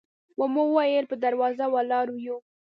و مو ویل په دروازه ولاړ یو.